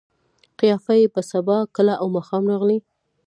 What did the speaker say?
قافیه یې په سبا، کله او ماښام راغلې.